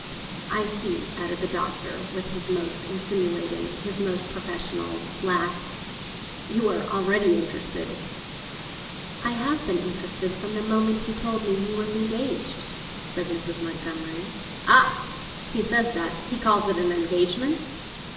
I see," added the Doctor, with his most insinuating, his most professional laugh, "you are already interested!" "I have been interested from the moment he told me he was engaged," said Mrs. Montgomery. "Ah! he says that—he calls it an engagement?"